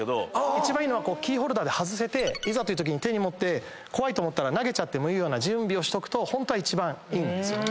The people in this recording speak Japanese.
一番いいのはキーホルダーで外せていざというとき手に持って怖いと思ったら投げてもいいような準備をするとホントは一番いいんですよね。